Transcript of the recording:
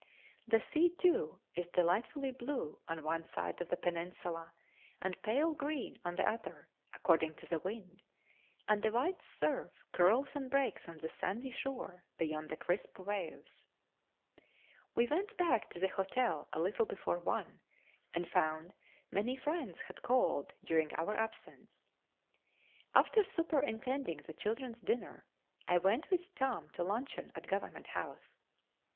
The sea, too, is delightfully blue on one side of the peninsula, and pale green on the other, according to the wind, and the white surf curls and breaks on the sandy shore beyond the crisp waves. We went back to the hotel a little before one, and found many friends had called during our absence. After superintending the children's dinner, I went with Tom to luncheon at Government House.